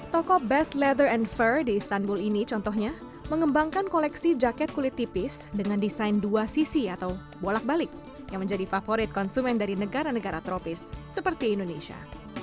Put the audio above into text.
toko best leather and fair di istanbul ini contohnya mengembangkan koleksi jaket kulit tipis dengan desain dua sisi atau bolak balik yang menjadi favorit konsumen dari negara negara tropis seperti indonesia